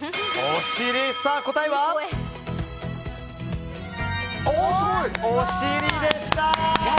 答えは、お尻でした！